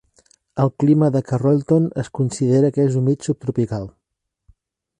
El clima de Carrollton es considera que és humit subtropical.